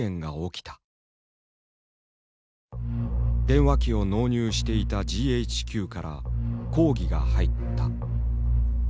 電話機を納入していたＧＨＱから抗議が入った。